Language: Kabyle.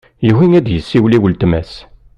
Yugi ad isiwel i weltma-s.